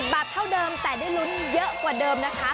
บาทเท่าเดิมแต่ได้ลุ้นเยอะกว่าเดิมนะคะ